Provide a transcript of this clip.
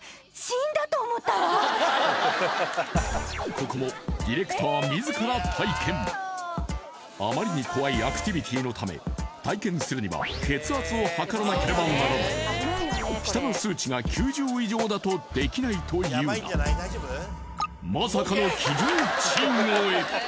ここもディレクター自ら体験あまりに怖いアクティビティのため体験するには血圧を測らなければならない下の数値が９０以上だとできないというがまさかの基準値超え